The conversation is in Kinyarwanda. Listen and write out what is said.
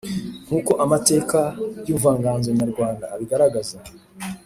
Nkuko amateka y’ubuvanganzo nyarwanda abigaragaza